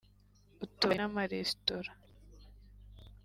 utubari n’amaresitora